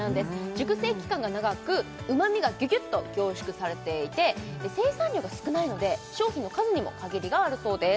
熟成期間が長くうまみがギュギュッと凝縮されていて生産量が少ないので商品の数にも限りがあるそうです